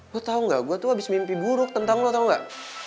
lo tau gak gue tuh abis mimpi buruk tentang lo tau gak